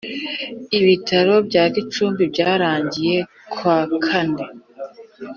Ibitaro bya Gicumbi byarangiye kw’ akane